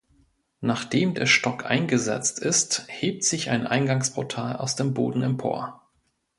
Nachdem der Stock eingesetzt ist hebt sich ein Eingangsportal aus dem Boden empor.